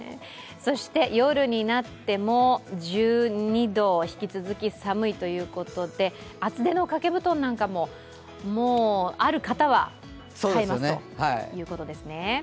そして夜になっても１２度、引き続き寒いということで、厚手の掛け布団なども、ある方は使えますということですね。